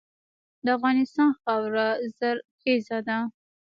د افغانستان خاوره زرخیزه ده.